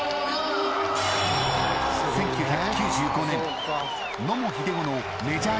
［１９９５年］